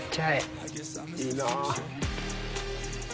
いいなぁ。